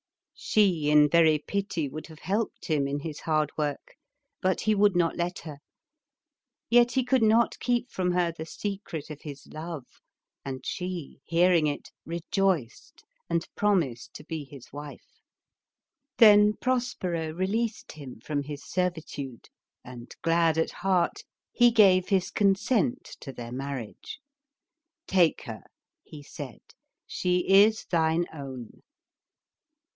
She in very pity would have helped him in his hard work, but he would not let her, yet he could not keep from her the secret of his love, and she, hearing it, rejoiced and promised to be his wife. THE TEMPEST. 17 Then Prospero released him from his servitude, and glad at heart, he gave his consent to their marriage. "Take her,'' he said, "she is thine own.